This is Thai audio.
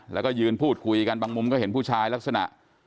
แล้วก็ยืนพูดคุยกันบางมุมก็เห็นผู้ชายลักษณะ